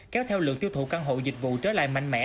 kéo theo lượng tiêu thụ căn hộ dịch vụ trở lại mạnh mẽ